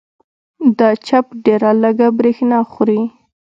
دا چپ ډېره لږه برېښنا خوري.